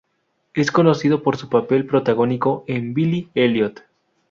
Es conocido por su papel protagónico en "Billy Elliot".